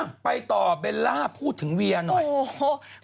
อ่าไปต่อเบลล่าพูดถึงเวียหน่อย